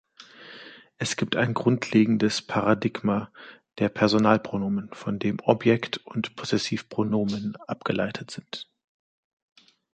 Es gibt ein grundlegendes Paradigma der Personalpronomen, von dem Objekt- und Possessivpronomen abgeleitet sind.